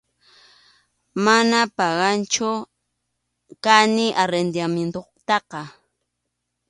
Manam pagaqchu kani arrendamientotaqa.